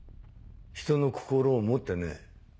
人の心を持ってねえ。